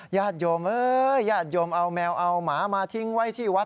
ญาติโยมเอ้ยญาติโยมเอาแมวเอาหมามาทิ้งไว้ที่วัด